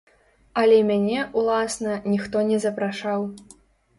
Але мяне, уласна, ніхто не запрашаў.